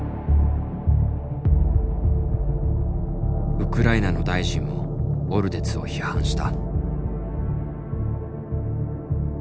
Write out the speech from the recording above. ウクライナの大臣もオルデツを批判した。